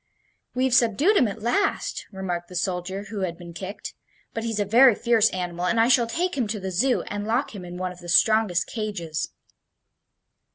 "We've subdued him at last," remarked the soldier who had been kicked. "But he's a very fierce animal, and I shall take him to the Zoo and lock him in one of the strongest cages."